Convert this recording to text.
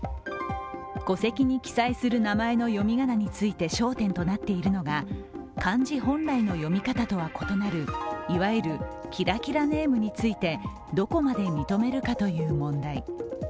戸籍に記載する名前の読み仮名について焦点となっているのが漢字本来の読み方とは異なる、いわゆるキラキラネームについてどこまで認めるかという問題。